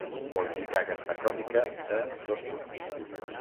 qualificar aquesta crònica de dos punts